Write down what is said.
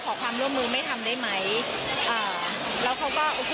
ตั้งจากวันราชตั้งจากวันราช